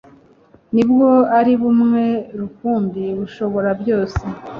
n'ubwo ari bumwe rukumbi, bushobora byose